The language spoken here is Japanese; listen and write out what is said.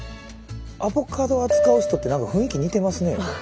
アボカド扱う人って何か雰囲気似てますね。